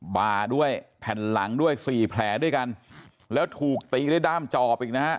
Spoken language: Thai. บาด้วยแผ่นหลังด้วยสี่แผลด้วยกันแล้วถูกตีด้วยด้ามจอบอีกนะฮะ